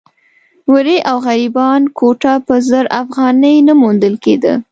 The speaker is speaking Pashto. ورې او غریبانه کوټه په زر افغانۍ نه موندل کېده.